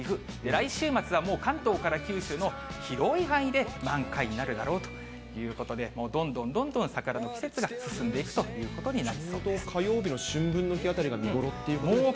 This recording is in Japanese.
来週末はもう関東から九州の広い範囲で、満開になるだろうということで、もうどんどんどんどん桜の季節が進んでいくということになりそうというと、火曜日の春分の日あたりが見頃っていうことですかね。